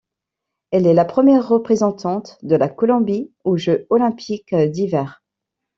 Elle est la première représentante de la Colombie aux Jeux olympiques d'hiver.